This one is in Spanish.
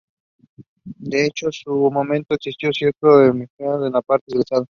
De hecho, en su momento existió cierto hermetismo por parte del Estado.